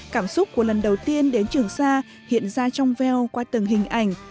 cảm xúc của lần đầu tiên đến trường sa hiện ra trong veo qua từng hình ảnh